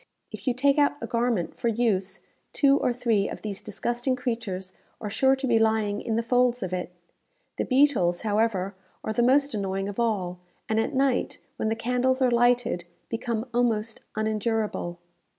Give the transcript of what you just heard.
If you take out a garment for use, two or three of these disgusting creatures are sure to be lying in the folds of it. The beetles, however, are the most annoying of all; and at night, when the candles are lighted, become almost unendurable.